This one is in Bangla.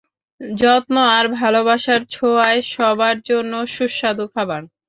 যত্ন আর ভালোবাসার ছোঁয়ায়, সবার জন্য সুস্বাদু খাবার।